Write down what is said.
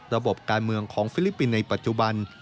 ระบบการเมืองของฟิลิปปินส์ในปัจจุบัน